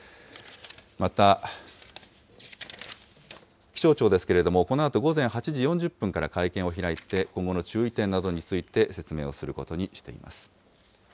また、気象庁ですけれども、このあと午前８時４０分から、会見を開いて、今後の注意点などについて説明をすることにしています。